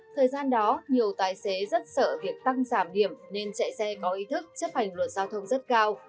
thời gian đó nhiều tài xế rất sợ việc tăng giảm điểm nên chạy xe có ý thức chấp hành luật giao thông rất cao